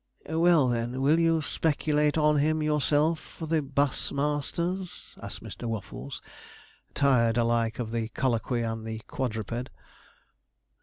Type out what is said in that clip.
'Well, then, will you speculate on him yourself for the buss masters?' asked Mr. Waffles, tired alike of the colloquy and the quadruped.